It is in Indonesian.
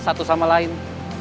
satu sama lain